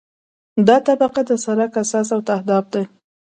دا طبقه د سرک اساس او تهداب دی